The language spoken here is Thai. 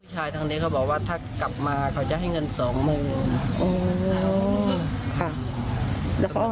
พี่ชายทางนี้เขาบอกว่าถ้ากลับมาเขาจะให้เงินสองโมง